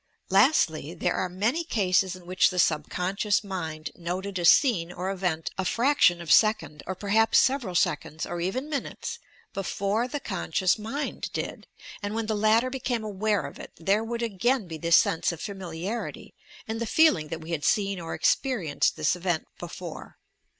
Lastly, there are many cases in which the subconscious mind noted a scene or event a fraction of second, or perhaps several seconds, or even minutes, before the conscious mind did ; and when the latter became aware of it, there would again be this sense of "familiarity," and the feeling that we bad seen or experienced this event before.